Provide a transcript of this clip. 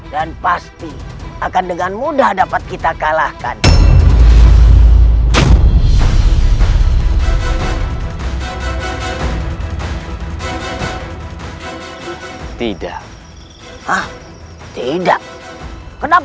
dan pasti akan dengan mudah dapat kita kalahkan